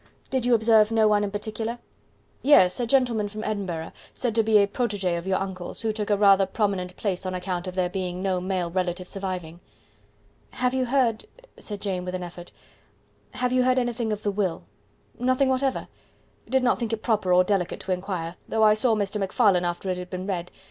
"Did you observe no one in particular?" "Yes, a gentleman from Edinburgh, said to be a PROTEGE of your uncle's, who took rather a prominent place on account of there being no male relative surviving." "Have you heard," said Jane, with an effort "have you heard anything of the will?" "Nothing whatever did not think it proper or delicate to inquire, though I saw Mr. MacFarlane after it had been read.